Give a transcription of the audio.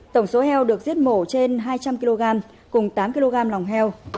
tổng số heo được giết mổ trên hai trăm linh kg cùng tám kg lòng heo